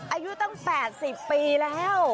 อายุตั้ง๘๐ปีแล้ว